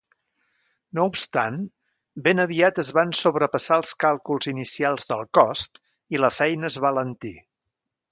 No obstant, ben aviat es van sobrepassar els càlculs inicials del cost i la feina es va alentir.